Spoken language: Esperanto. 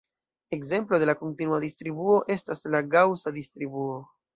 Ekzemplo de kontinua distribuo estas la Gaŭsa distribuo.